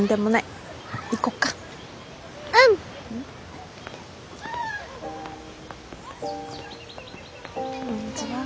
こんにちは。